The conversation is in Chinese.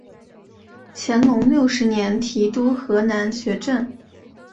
乾隆六十年提督河南学政。